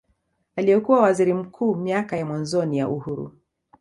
Aliyekuwa Waziri Mkuu miaka ya mwanzoni ya uhuru